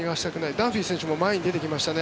ダンフィー選手も前に出てきましたね。